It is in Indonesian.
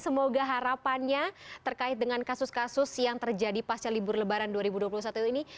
semoga harapannya terkait dengan kasus kasus yang terjadi pasca libur lebaran dua ribu dua puluh satu ini